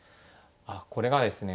これがですね